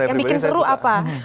yang bikin seru apa